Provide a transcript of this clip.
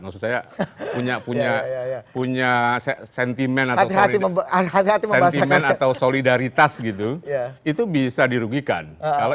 maksud saya punya sentimen atau sentimen atau solidaritas gitu itu bisa dirugikan